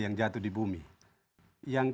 yang jatuh di bumi yang